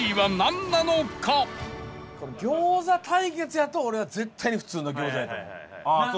餃子対決やと俺は絶対に普通の餃子やと思う。